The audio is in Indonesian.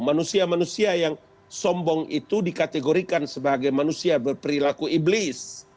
manusia manusia yang sombong itu dikategorikan sebagai manusia berperilaku iblis